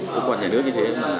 cơ quan nhà nước như thế